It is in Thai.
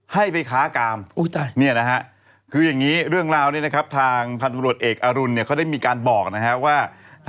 ให้ไปค้ากามเนี่ยนะฮะคืออย่างนี้เรื่องราวนี้นะครับทางพันธุรกิจเอกอรุณเนี่ยเขาได้มีการบอกนะฮะว่า